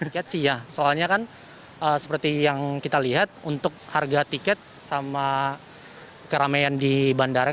ketika soalnya kan seperti yang kita lihat untuk harga tiket sama keramaian di bandara